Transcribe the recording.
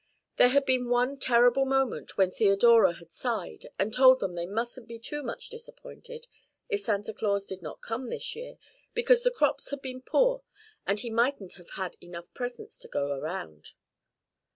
There had been one terrible moment when Theodora had sighed and told them they mustn't be too much disappointed if Santa Claus did not come this year because the crops had been poor, and he mightn't have had enough presents to go around.